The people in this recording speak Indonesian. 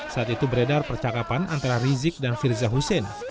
saat itu beredar percakapan antara rizik dan firza hussein